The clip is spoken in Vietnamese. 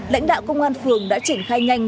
lãnh đạo công an phường đã triển khai nhanh